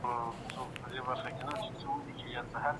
ورزش او لوبې د ټولنې د ګډ هدف برخه ده.